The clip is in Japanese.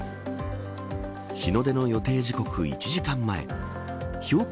日の出の予定時刻１時間前標高